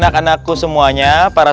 ku itu semuanya sakit